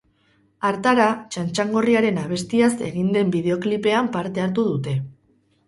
Hartara, txantxagorriaren abestiaz egin den bideoklipean parte hartu dute.